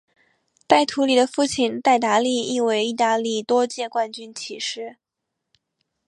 戴图理的父亲戴达利亦为意大利多届冠军骑师。